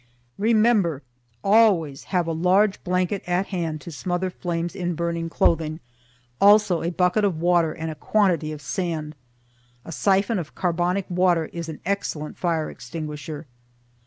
REMEMBER! Always have a large blanket at hand to smother flames in burning clothing also a bucket of water and a quantity of sand. A siphon of carbonic water is an excellent fire extinguisher.